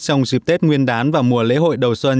trong dịp tết nguyên đán và mùa lễ hội đầu xuân